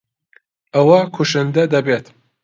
ئەوە کوشندە دەبێت.